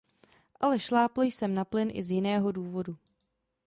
Ale šlápl jsem na plyn i z jiného důvodu.